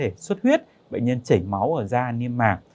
bệnh nhân có thể xuất huyết bệnh nhân chảy máu ở da niêm mạc